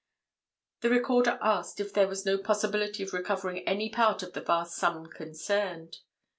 "The Recorder asked if there was no possibility of recovering any part of the vast sum concerned.